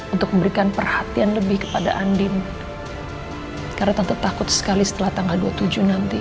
untuk memberikan perhatian lebih kepada andin karena tentu takut sekali setelah tanggal dua puluh tujuh nanti